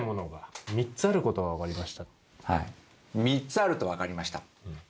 ３つあると分かりました。